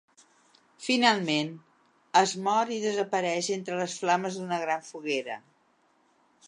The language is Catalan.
Finalment, es mor i desapareix entre les flames d’una gran foguera.